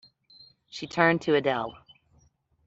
She turned to Adele.